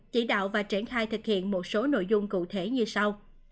chỉ đạo và triển khai thực hiện một số nội dung cụ thể như sau